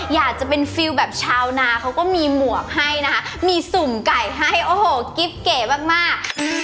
อยากจะเป็นฟิลแบบชาวนาเขาก็มีหมวกให้นะคะมีสุ่มไก่ให้โอ้โหกิ๊บเก๋มาก